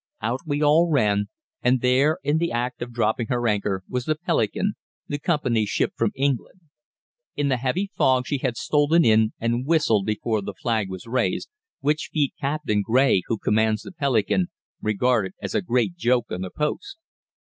Out we all ran, and there, in the act of dropping her anchor, was the Pelican, the company's ship from England. In the heavy fog she had stolen in and whistled before the flag was raised, which feat Captain Grey, who commands the Pelican, regarded as a great joke on the post.